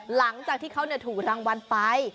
หลังจากที่เขาถูกรางวัลไป